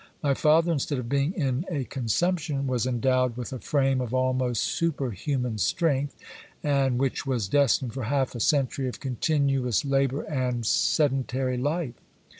My father instead of being in a consumption, was endowed with a frame of almost super human strength, and which was destined for half a century of continuous labour and sedentary life.